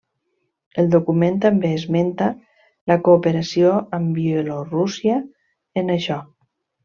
El document també esmenta la cooperació amb Bielorússia en això.